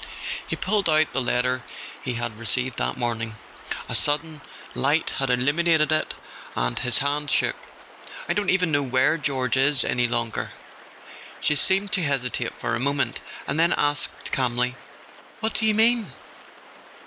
He pulled out the letter he had re¬ ceived that morning. A sudden light had illuminated it, and his hand shook. "I don't even know where George is any longer." She seemed to hesitate for a moment, and then asked calmly: " What do you mean